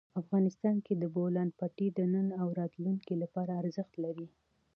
افغانستان کې د بولان پټي د نن او راتلونکي لپاره ارزښت لري.